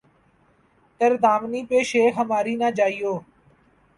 ''تر دامنی پہ شیخ ہماری نہ جائیو